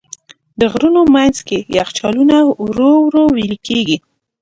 د غرونو منځ کې یخچالونه ورو ورو وېلې کېږي.